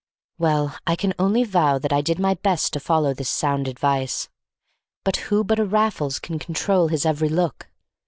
Well, I can only vow that I did my best to follow this sound advice; but who but a Raffles can control his every look?